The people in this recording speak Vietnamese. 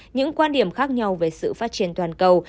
những quan điểm khác nhau về sự phát triển toàn cầu